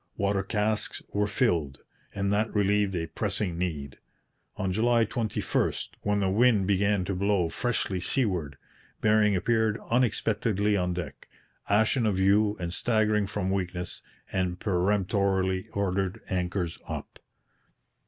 Water casks were filled; and that relieved a pressing need. On July 21, when the wind began to blow freshly seaward, Bering appeared unexpectedly on deck, ashen of hue and staggering from weakness, and peremptorily ordered anchors up.